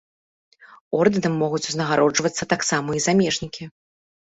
Ордэнам могуць узнагароджвацца таксама і замежнікі.